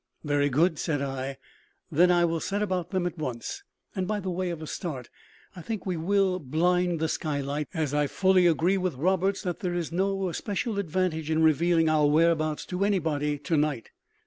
"Very good," said I; "then I will set about them at once. And, by way of a start, I think we will `blind' the skylights; as I fully agree with Roberts that there is no especial advantage in revealing four whereabouts to anybody to night.